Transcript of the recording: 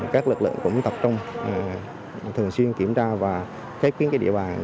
các lực lượng cũng tập trung thường xuyên kiểm tra và khép kiến cái địa bàn